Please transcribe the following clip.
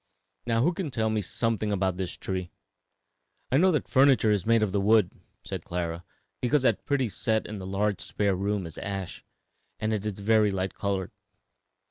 Now who can tell me something about this tree?" "I know that furniture is made of the wood," said Clara, "because that pretty set in the large spare room is ash. And it is very light colored."